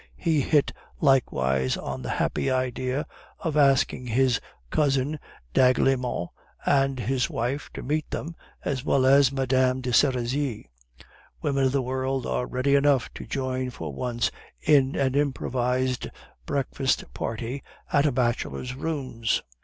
He hit likewise on the happy idea of asking his cousin d'Aiglemont and his wife to meet them, as well as Mme. de Serizy. Women of the world are ready enough to join for once in an improvised breakfast party at a bachelor's rooms."